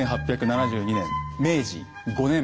１８７２年明治５年。